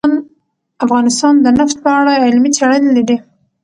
افغانستان د نفت په اړه علمي څېړنې لري.